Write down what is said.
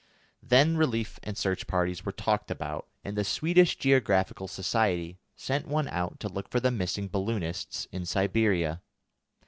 Then relief and search parties were talked about, and the Swedish Geographical Society sent one out to look for the missing balloonists in Siberia.